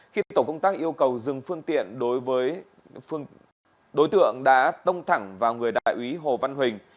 khi tổ công tác yêu cầu dừng phương tiện đối với đối tượng đã tông thẳng vào người đại úy hồ văn huỳnh